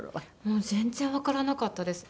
もう全然わからなかったです。